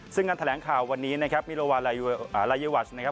ซึ่งการแถลงข่าววันนี้มิลวารลายวาสนะครับ